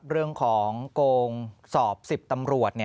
เรื่องของโกงสอบ๑๐ตำรวจ